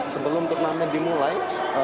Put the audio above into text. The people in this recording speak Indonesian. sebelum turnamen dimulai